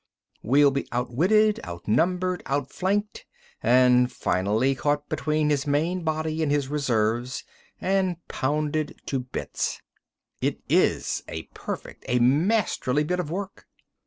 We'll be outwitted, out numbered, out flanked and finally caught between his main body and his reserves and pounded to bits. It is a perfect, a masterly bit of work!"